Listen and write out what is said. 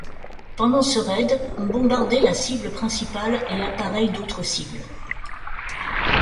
Pendant ce raid, ont bombardé la cible principale et appareils d'autres cibles.